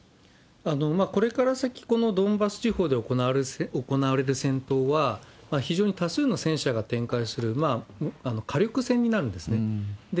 これから先、このドンバス地方で行われる戦闘は、非常に多数の戦車が展開する、火力戦になるんですね。